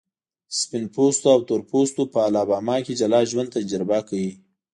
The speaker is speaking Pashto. سپین پوستو او تور پوستو په الاباما کې جلا ژوند تجربه کړ.